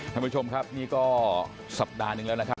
ท่านผู้ชมครับนี่ก็สัปดาห์หนึ่งแล้วนะครับ